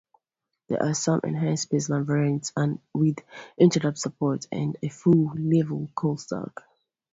There are some "enhanced baseline" variants with interrupt support and a four-level call stack.